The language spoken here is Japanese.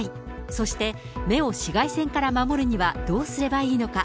そして目を紫外線から守るにはどうすればいいのか。